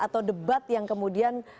atau debat yang kemudian